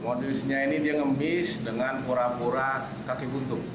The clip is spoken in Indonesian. modusnya ini dia ngemis dengan pura pura kaki buntung